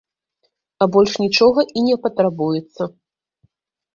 А больш нічога і не патрабуецца!